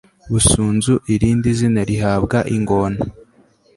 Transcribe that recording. busunzu irindi zina rihabwa ingona